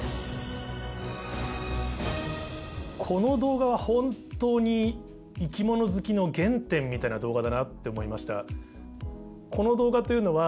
この動画は本当に生き物好きの原点みたいな動画だなって思いました。